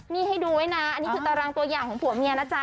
นี่ให้ดูไว้นะอันนี้คือตารางตัวอย่างของผัวเมียนะจ๊